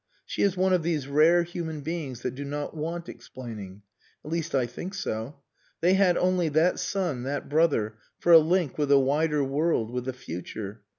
She is one of these rare human beings that do not want explaining. At least I think so. They had only that son, that brother, for a link with the wider world, with the future.